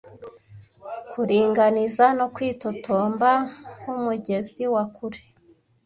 kuringaniza no kwitotomba nkumugezi wa kure